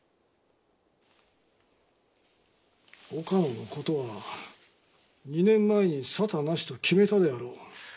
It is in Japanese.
岡野のことは２年前に沙汰なしと決めたであろう。